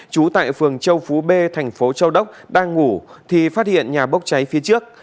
chú tại phường châu phú b tp châu đốc đang ngủ thì phát hiện nhà bốc cháy phía trước